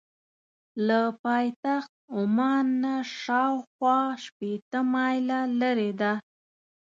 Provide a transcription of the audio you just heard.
له پایتخت عمان نه شاخوا شپېته مایله لرې ده.